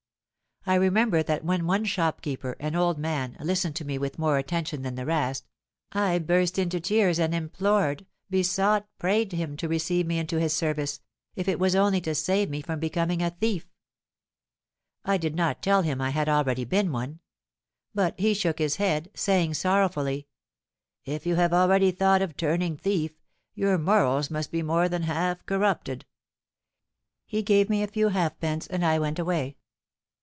I remember that when one shopkeeper—an old man—listened to me with more attention than the rest, I burst into tears and implored—besought—prayed him to receive me into his service, if it was only to save me from becoming a thief! I did not tell him I had already been one. But he shook his head, saying sorrowfully, 'If you have already thought of turning thief, your morals must be more than half corrupted.'—He gave me a few halfpence, and I went away.